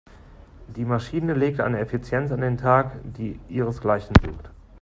Die Maschine legt eine Effizienz an den Tag, die ihresgleichen sucht.